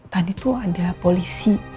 tadi tuh ada polisi